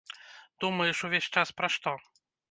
Думаеш увесь час пра што?